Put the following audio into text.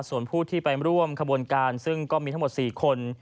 ส่วนผู้ที่ไปร่วมขบวนการซึ่งก็มีทั้งหมด๔คน